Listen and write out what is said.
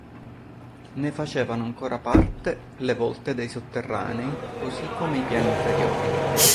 Ne facevano ancora parte le volte dei sotterranei così come i piani inferiori.